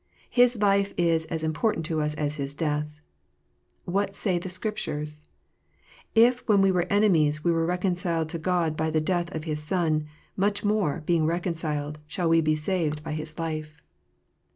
His life is as important to us as His death. What saith the Scripture 1 " If, when we were enemies, we were reconciled to God by the death of His Son, much more, being reconciled, we shall be saved by His life."